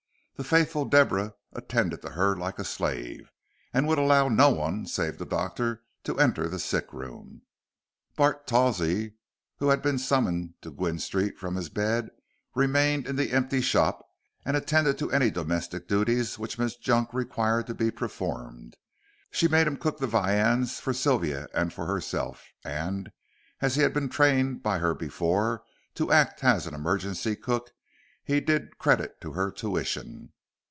The faithful Deborah attended to her like a slave, and would allow no one, save the doctor, to enter the sick room. Bart Tawsey, who had been summoned to Gwynne Street from his bed, remained in the empty shop and attended to any domestic duties which Miss Junk required to be performed. She made him cook viands for Sylvia and for herself, and, as he had been trained by her before, to act as an emergency cook, he did credit to her tuition.